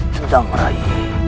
aku sedang merayu